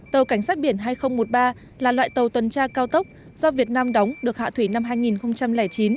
tàu cảnh sát biển hai nghìn một mươi ba là loại tàu tuần tra cao tốc do việt nam đóng được hạ thủy năm hai nghìn chín